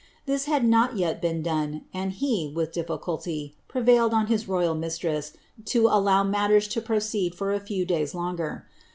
This had not yet been done, and he, with difficulty, prevailed on his royal mistress to allow matters to proceed for a few days longer.